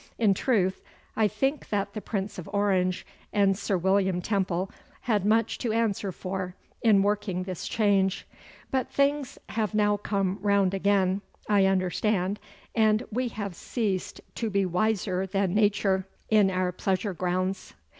In truth, I think that the Prince of Orange and Sir William Temple had much to answer for in working this change, but things have now come round again, I understand, and we have ceased to be wiser than Nature in our pleasure grounds.